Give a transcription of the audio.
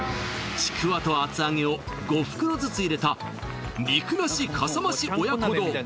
ちくわと厚揚げを５袋ずつ入れた肉なしかさまし親子丼